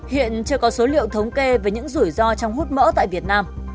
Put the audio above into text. hiện chưa có số liệu thống kê về những rủi ro trong hút mỡ tại việt nam